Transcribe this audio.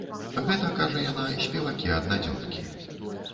Гэта, кажа яна, спевакі-аднадзёнкі.